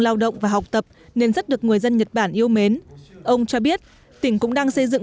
lao động và học tập nên rất được người dân nhật bản yêu mến ông cho biết tỉnh cũng đang xây dựng